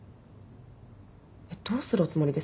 どうするおつもりですか？